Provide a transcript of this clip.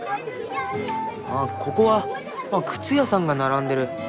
ここは靴屋さんが並んでる。